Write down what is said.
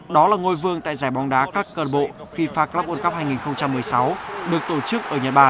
đó là ngôi vương tại giải bóng đá các cơ bộ fifa club world cup hai nghìn một mươi sáu